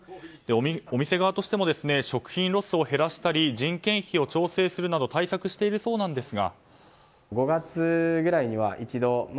お店側としても食品ロスを減らしたり人件費を調整するなど対策しているそうなんですが。